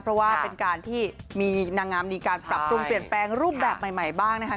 เพราะว่าเป็นการที่มีนางงามมีการปรับปรุงเปลี่ยนแปลงรูปแบบใหม่บ้างนะคะ